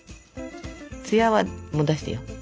ツヤは出してよ。